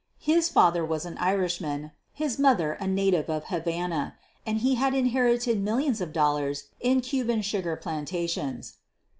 His father was an Irishman, his mother a native of Havana, and he had inherited millions of dollars in Cuban sugar plantations.